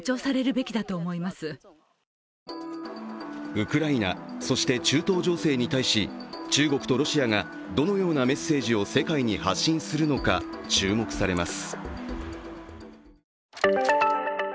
ウクライナ、そして中東情勢に対し、中国とロシアがどのようなメッセージを世界に発信するのか、注目されます。